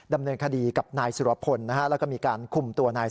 ดำเนินคดีกับนายสุรพลนะฮะแล้วก็มีการคุมตัวนาย